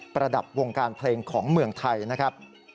ระดับวงการเพลงของเมืองไทยนะครับ